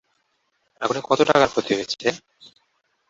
আগুনে কত টাকার ক্ষতি হয়েছে?